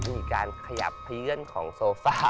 มีการขยับขยื่นของโซฟา